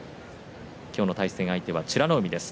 今日の対戦相手は美ノ海です。